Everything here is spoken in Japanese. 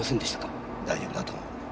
大丈夫だと思う。